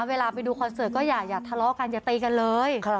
เวลาไปดูคอนเสิร์ตก็อย่าทะเลาะกันอย่าตีกันเลย